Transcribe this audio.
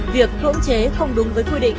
việc cưỡng chế không đúng với quy định